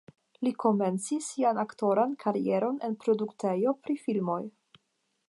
Li komencis sian aktoran karieron en produktejo pri filmoj.